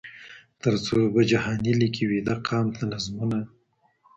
تر څو به جهاني لیکې ویده قام ته نظمونه